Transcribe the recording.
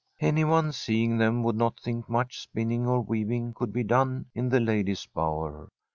Anvone seeing them would not think much spinnmg or weaving could be done in the Ladies' Bower.